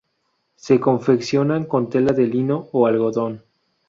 Se confeccionan con tela de lino o algodón.